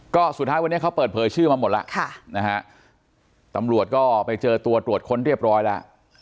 ก็สุดท้ายวันนี้เขาเปิดเผยชื่อมาหมดแล้วตำรวจก็ไปเจอตัวตรวจค้นเรียบร้อยแล้ว